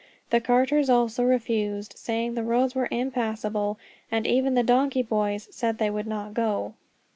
The carters also refused, saying the roads were impassable; and even the donkey boys said they would not go.